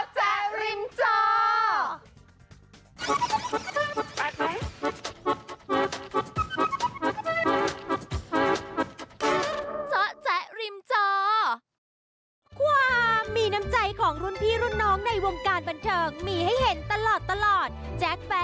เจ้าแจ๊กริมเจ้า